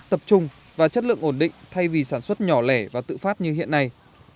tập trung và chất lượng ổn định thay vì sản xuất nhỏ lẻ và tự phát như hiện nay